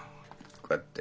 こうやって。